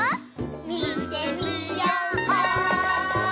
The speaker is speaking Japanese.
みてみよう！